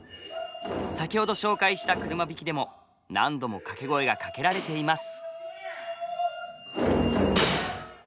先ほど紹介した「車引」でも何度も掛け声がかけられています。